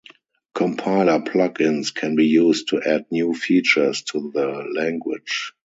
Compiler "plug-ins" can be used to add new features to the language.